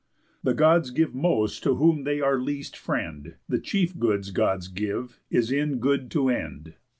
_The Gods give most to whom they least are friend. The chief goods Gods give, is in good to end.